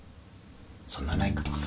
そんなないか。